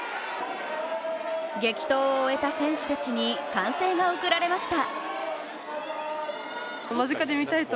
激闘を終えた選手たちに歓声が送られました。